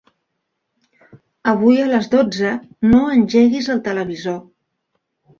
Avui a les dotze no engeguis el televisor.